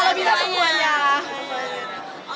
oke terima kasih banyak ya kak ya